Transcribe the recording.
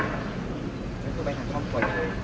นี่คือไปทั้งท่องบวชด้วยหลักของราว